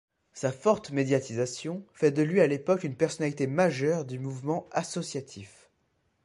Sa forte médiatisation fait de lui à l'époque une personnalité majeure du mouvement associatif.